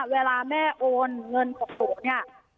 เวลาแม่โอนเงินของหนูเนี่ย